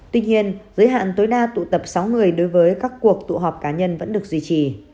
tuy nhiên giới hạn tối đa tụ tập sáu người đối với các cuộc tụ họp cá nhân vẫn được duy trì